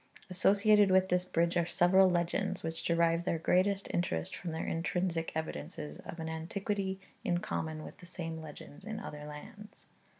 Associated with this bridge are several legends, which derive their greatest interest from their intrinsic evidences of an antiquity in common with the same legends in other lands.